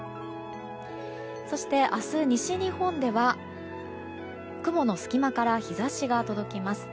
そして明日、西日本では雲の隙間から日差しが届きます。